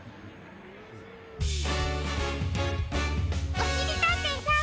おしりたんていさん